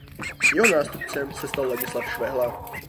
Jeho nástupcem se stal Ladislav Švehla.